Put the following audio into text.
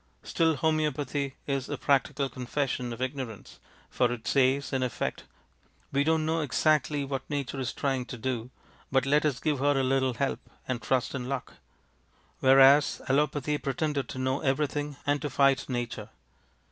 Still hom┼ōopathy is a practical confession of ignorance; for it says, in effect, ŌĆ£We donŌĆÖt know exactly what Nature is trying to do, but let us give her a little help, and trust in luck. ŌĆØ Whereas allopathy pretended to know everything and to fight Nature.